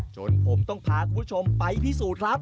จนผมต้องพาคุณผู้ชมไปพิสูจน์ครับ